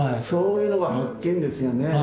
そういうのが発見ですよね。